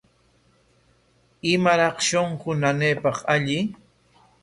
¿Imaraq shunqu nanaypaq alli?